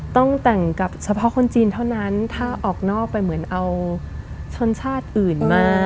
ต้องแต่งกับเฉพาะคนจีนเท่านั้นถ้าออกนอกไปเหมือนเอาชนชาติอื่นมา